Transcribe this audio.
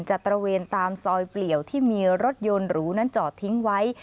ตระเวนตามซอยเปลี่ยวที่มีรถยนต์หรูนั้นจอดทิ้งไว้